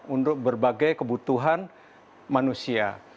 untuk berbagai kebutuhan manusia